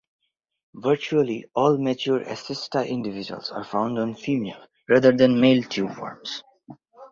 Virtually all mature "Acesta" individuals are found on female rather than male tubeworms.